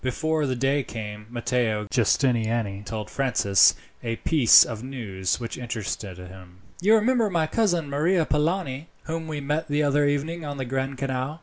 Before the day came Matteo Giustiniani told Francis a piece of news which interested him. "You remember my cousin Maria Polani, whom we met the other evening on the Grand Canal?"